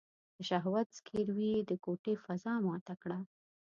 د شهوت ځګيروی يې د کوټې فضا ماته کړه.